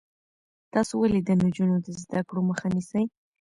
تاسو ولې د نجونو د زده کړو مخه نیسئ؟